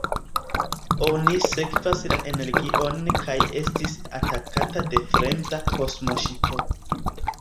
Oni sekvas la energion kaj estis atakata de fremda kosmoŝipo.